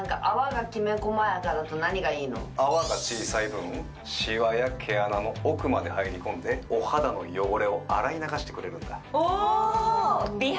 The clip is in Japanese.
泡が小さい分シワや毛穴の奥まで入り込んでお肌の汚れを洗い流してくれるんだおお！